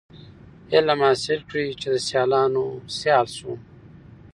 علم حاصل کړی چي د سیالانو سیال سو.